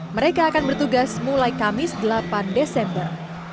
mereka akan bertugas mulai kamis delapan desember